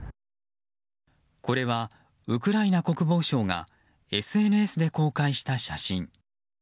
これは、ウクライナ国防省がＳＮＳで公開した写真。